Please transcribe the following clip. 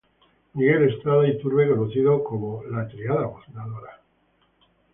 Miguel Estrada Iturbide, conocidos como "La Triada Fundadora".